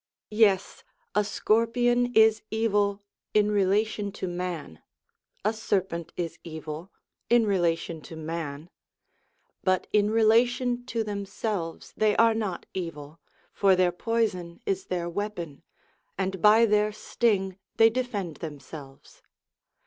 Yes, a scorpion is evil in relation to man; a serpent is evil, in rela tion to man ; but in relation to themselves they are not evil, for their poison is their weapon, and by their sting they defend themselves.